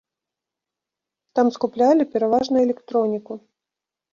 Там скуплялі пераважна электроніку.